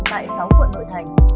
tại sáu quận nội thành